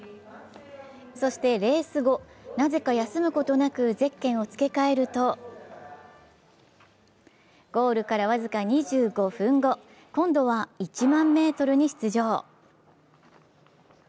そしてレース後、なぜか休むことなくぜっけんを付け替えると、ゴールから僅か２５分後、今度は１００００ｍに出場。